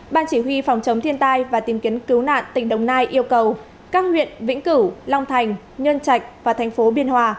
ban chỉ huy phòng chống thiên tai và tìm kiếm cứu nạn tỉnh đồng nai yêu cầu các huyện vĩnh cửu long thành nhân trạch và thành phố biên hòa